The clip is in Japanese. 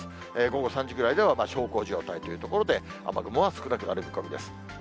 午後３時ぐらいでは、小康状態というところで、雨雲は少なくなる見込みです。